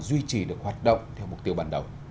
duy trì và phát triển công nghiệp văn hóa